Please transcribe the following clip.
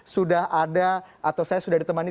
sudah ada atau saya sudah ditemani